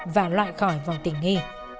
và loại khỏi vòng tỉnh nghi